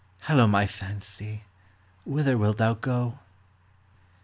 Hallo, my fancy, whither wilt thou go?